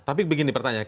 tapi begini pertanyaan